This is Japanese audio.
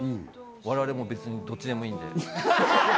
我々は別にどっちでもいいんで。